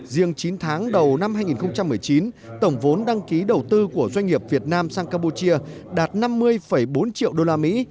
riêng chín tháng đầu năm hai nghìn một mươi chín tổng vốn đăng ký đầu tư của doanh nghiệp việt nam sang campuchia đạt năm mươi bốn triệu đô la mỹ